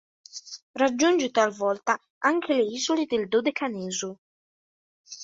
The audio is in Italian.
Raggiunge talvolta anche le isole del Dodecaneso.